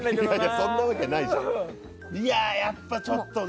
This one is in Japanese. そんなわけないじゃん。